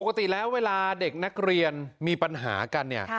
ปกติแล้วเวลาเด็กนักเรียนมีปัญหากันเนี่ย